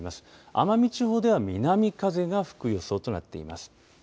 奄美地方では南風が吹く予想となっています。